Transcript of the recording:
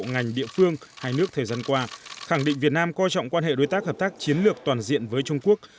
ngành địa phương hai nước thời gian qua khẳng định việt nam coi trọng quan hệ đối tác hợp tác chiến lược toàn diện với trung quốc